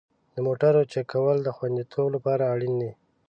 د موټرو چک کول د خوندیتوب لپاره اړین دي.